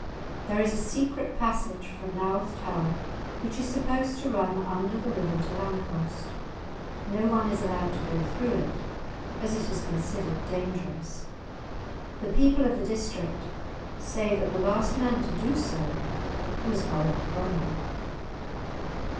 There is a secret passage from Naworth tower which is supposed to run under the river to Lanercost. No one is allowed to go through it, as it is considered dangerous; the people of the district say that the last man to do so was Oliver Cromwell.